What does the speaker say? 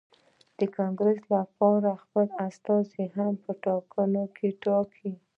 د کانګرېس لپاره خپل استازي هم په ټاکنو کې ټاکي.